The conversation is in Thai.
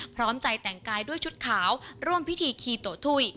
พร้อมใจแต่งกายด้วยชุดขาวร่วมพิธีคีโตถุย